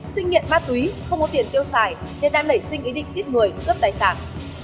sinh nghiện ma túy không có tiền tiêu xài nên đã nảy sinh ý định giết người cướp tài sản